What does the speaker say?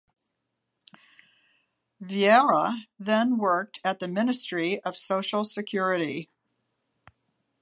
Vieira then worked at the Ministry of Social Security.